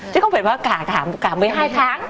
chứ không phải cả một mươi hai tháng